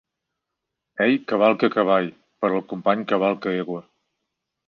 Ell cavalca cavall, però el company cavalca egua.